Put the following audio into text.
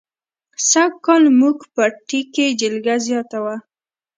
سږ کال زموږ پټي کې جلگه زیاته وه.